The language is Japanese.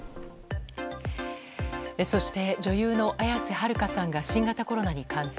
そして女優の綾瀬はるかさんが新型コロナに感染。